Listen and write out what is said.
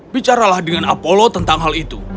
bicaralah dengan apollo tentang hal itu